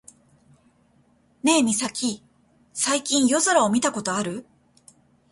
ねえミサキ、最近夜空を見たことある？